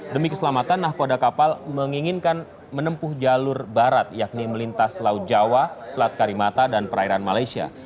demi keselamatan nahkoda kapal menginginkan menempuh jalur barat yakni melintas laut jawa selat karimata dan perairan malaysia